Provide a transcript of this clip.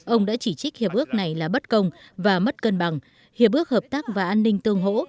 ông đã chỉ trích hiệp ước này là bất công và mất cân bằng hiệp ước hợp tác và an ninh tương hỗ